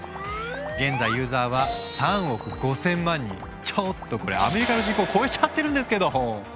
現在ユーザーはちょっとこれアメリカの人口超えちゃってるんですけど！